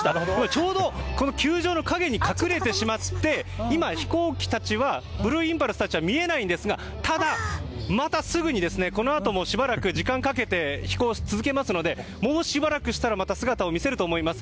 ちょうど球場の陰に隠れてしまって今、飛行機たちブルーインパルスたちは見えないんですがただ、またすぐにこのあともしばらく時間をかけて飛行を続けますのでもうしばらくしたらまた姿を見せると思います。